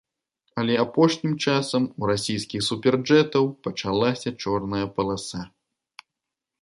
Але апошнім часам у расійскіх суперджэтаў пачалася чорная паласа.